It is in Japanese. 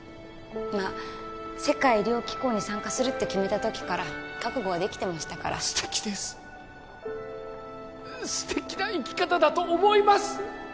まあ世界医療機構に参加するって決めた時から覚悟はできてましたから素敵です素敵な生き方だと思います！